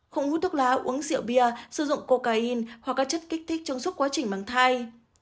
không hút thuốc lá uống rượu bia sử dụng cocaine hoặc các chất kích thích trong suốt quá trình mang thai